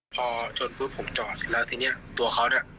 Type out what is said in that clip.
พอชนปุ๊บผมจอดแล้วทีนี้ตัวเขาเนี่ย